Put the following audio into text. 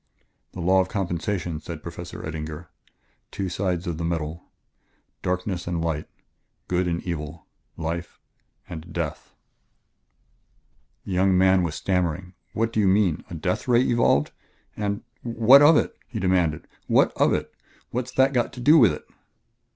"The law of compensation," said Professor Eddinger. "Two sides to the medal! Darkness and light good and evil life ... and death!" The young man was stammering. "What do you mean? a death ray evolved?" And: "What of it?" he demanded; "what of it? What's that got to do with it?"